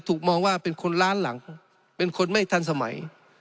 ถูกมองว่าเป็นคนล้านหลังเป็นคนไม่ทันสมัย